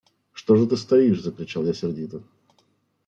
«Что же ты стоишь!» – закричал я сердито.